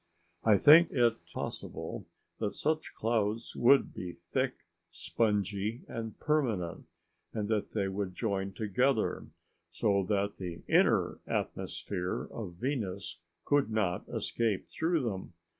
I think it possible that such clouds would be thick, spongy and permanent, and that they would join together, so that the inner atmosphere of Venus could not escape through them.